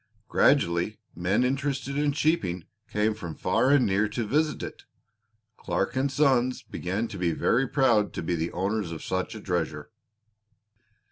Gradually men interested in sheeping came from far and near to visit it. Clark & Sons began to be very proud to be the owners of such a treasure.